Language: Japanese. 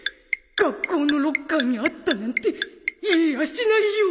学校のロッカーにあったなんて言えやしないよ！